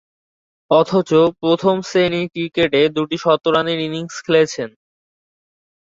অথচ, প্রথম-শ্রেণীর ক্রিকেটে দুইটি শতরানের ইনিংস খেলেছেন।